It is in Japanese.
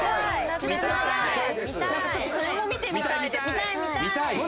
ちょっとそれも見てみたいです。